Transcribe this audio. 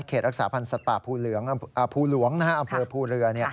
เขตอักษะพันธ์สัตว์ภูหลวงอำเภอภูเรือ